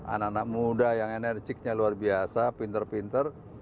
anak anak muda yang enerjiknya luar biasa pinter pinter